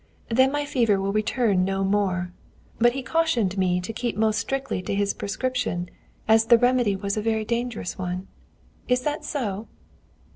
Then my fever will return no more. But he cautioned me to keep most strictly to his prescription, as the remedy was a very dangerous one. Is that so?"